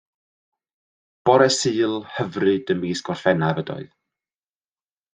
Bore Sul hyfryd ym mis Gorffennaf ydoedd.